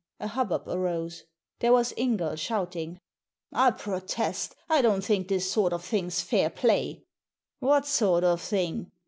A hubbub arose. There was Ingall shouting. " I protest I I don't think this sort of thing's fair play." "What sort of thing?"